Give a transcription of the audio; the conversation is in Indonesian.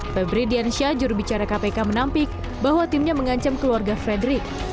pemri diansya jurubicara kpk menampik bahwa timnya mengancam keluarga fredrik